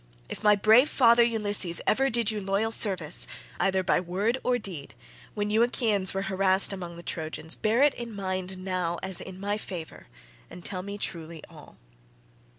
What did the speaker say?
If my brave father Ulysses ever did you loyal service, either by word or deed, when you Achaeans were harassed among the Trojans, bear it in mind now as in my favour and tell me truly all."